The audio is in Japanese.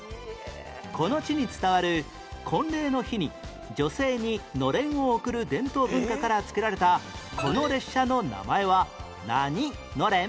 この地に伝わる婚礼の日に女性にのれんを贈る伝統文化から付けられたこの列車の名前は何のれん？